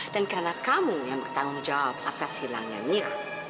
dan karena kamu yang bertanggung jawab atas hilangnya mira